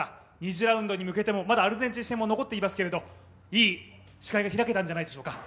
２次ラウンドに向けても、まだアルゼンチン戦も残ってますけど、いい視界が開けたんじゃないでしょうか。